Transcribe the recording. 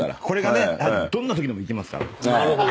どんなときでもいきますから。